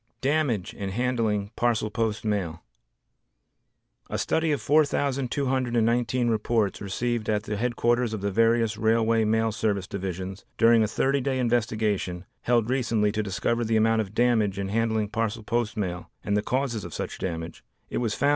Damage in Handling Parcel Post Mail A study of 4,219 reports received at the headquarters of the various Railway Mail Service Divisions during a thirty day investigation, held recently to discover the amount of damage in handling parcel post mail and the causes of such damage, it was found that in 52.